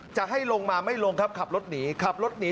จะให้ลงมาไม่ลงครับขับรถหนี